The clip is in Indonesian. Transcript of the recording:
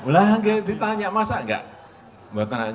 ulah ditanya masak enggak